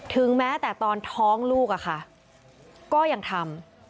ถึงแม้แต่ตอนท้องลูกอะค่ะก็ยังทำ